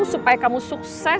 supaya kamu sukses